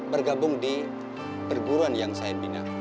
bergabung di perguruan yang saya bina